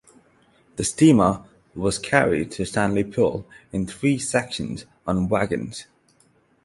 The steamer was carried to Stanley Pool in three sections on wagons.